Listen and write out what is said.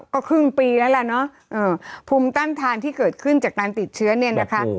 ก็ครึ่งปีแล้วล่ะเนอะภูมิต้านทานที่เกิดขึ้นจากการติดเชื้อเนี่ยนะคะ